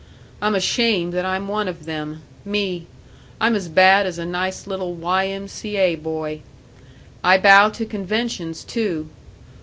I'm ashamed that I'm one of them me, I'm as bad as a nice little Y. M. C. A. boy I bow to conventions, too.